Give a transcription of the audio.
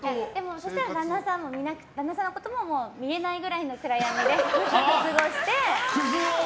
そしたら旦那さんのことも見えないくらいの暗闇で過ごして。